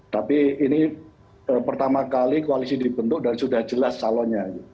tapi ini pertama kali koalisi dibentuk dan sudah jelas calonnya